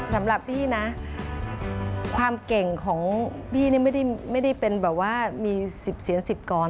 สำหรับพี่นะความเก่งของพี่นี่ไม่ได้เป็นแบบว่ามี๑๐เสีย๑๐กร